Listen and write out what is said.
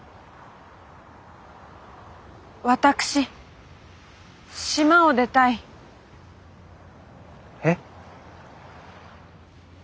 私島を出たい。え？